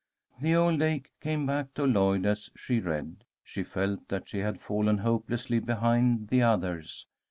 The old ache came back to Lloyd as she read. She felt that she had fallen hopelessly behind the others.